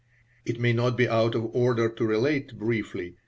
It may not be out of order to relate, briefly.